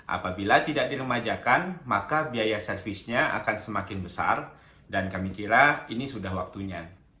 apabila tidak diremajakan maka biaya servisnya akan semakin besar dan kami kira ini sudah waktunya